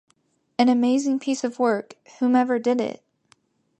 An amazing piece of work, whomever did it'.